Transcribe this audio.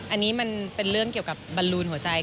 อันนี้มันเป็นเรื่องเกี่ยวกับบรรลูนหัวใจ